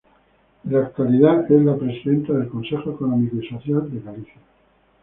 En la actualidad es la presidenta del Consejo Económico y Social de Galicia.